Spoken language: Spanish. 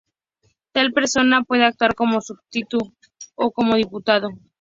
Tal persona puede actuar como substituto o como diputado.